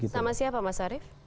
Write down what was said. sama siapa mas arief